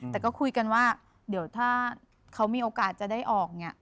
แต่ก็คุยกันว่าเดี๋ยวถ้าเขามีโอกาสจะได้ออกเนี่ย